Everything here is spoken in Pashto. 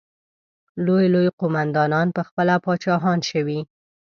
لوی لوی قوماندانان پخپله پاچاهان شوي.